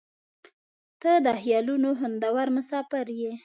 • ته د خیالونو خوندور مسافر یې.